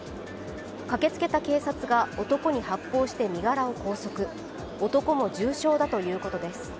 駆けつけた警察が男に発砲して身柄を拘束、男も重傷だということです。